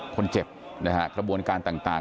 คนเจ็บนะฮะกระบวนการต่าง